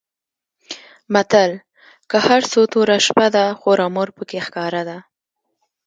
متل؛ که هر څو توره شپه ده؛ خور او مور په کې ښکاره ده.